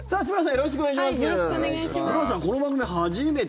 よろしくお願いします。